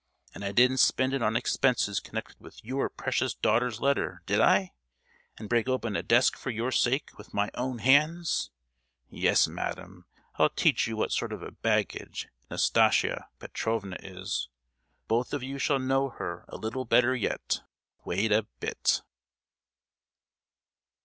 And I didn't spend it on expenses connected with your precious daughter's letter, did I? and break open a desk for your sake with my own hands! Yes, madam; I'll teach you what sort of a baggage Nastasia Petrovna is; both of you shall know her a little better yet! Wait a bit!"